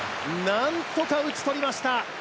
なんとか打ち取りました！